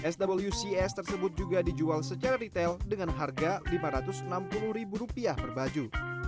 swcs tersebut juga dijual secara retail dengan harga rp lima ratus enam puluh per baju